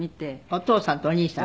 お父さんとお兄さん。